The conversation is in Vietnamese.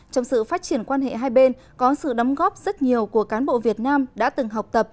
trong sự phát triển quan hệ hai bên có sự đóng góp rất nhiều của cán bộ việt nam đã từng học tập